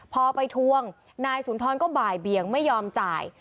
พอไปทวงนายสุนทรก็บ่ายเบียงไม่ยอมจ่าย